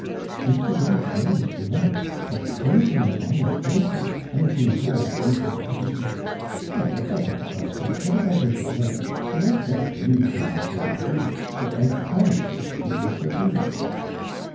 'Mr. Dennis named the rent. But anything your honour PLASES anything at all that we can pay.' 'Oh, it's out of the question put it out of your head. No rent you can offer would do, for I've promised it to the surveyor.'